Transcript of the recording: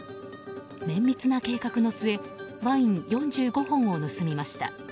綿密な計画の末ワイン４５本を盗みました。